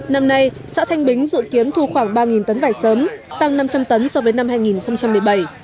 năm nay xã thanh bính dự kiến thu khoảng ba tấn vải sớm tăng năm trăm linh tấn so với năm hai nghìn một mươi bảy